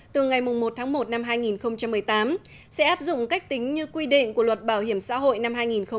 từ ngày một tháng một năm hai nghìn một mươi tám sẽ áp dụng cách tính như quy định của luật bảo hiểm xã hội năm hai nghìn một mươi chín